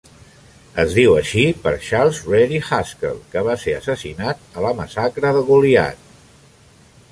Es diu així per Charles Ready Haskell, que va ser assassinat a la massacre de Goliad.